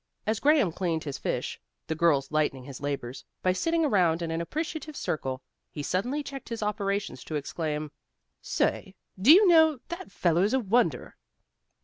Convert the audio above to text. As Graham cleaned his fish the girls lightening his labors, by sitting around in an appreciative circle he suddenly checked his operations to exclaim: "Say, do you know, that fellow's a wonder!"